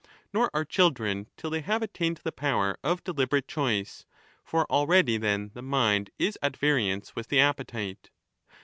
Nor are children, till they have attained the power of deliberate choice ; for already then the mind is at variance with the appetite.